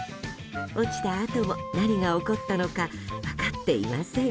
落ちたあとも、何が起こったのか分かっていません。